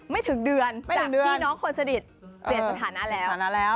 ไม่ถึงเดือนจากพี่น้องคนสนิทเปลี่ยนสถานะแล้ว